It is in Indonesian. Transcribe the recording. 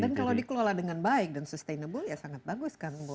dan kalau dikelola dengan baik dan sustainable ya sangat bagus kan buat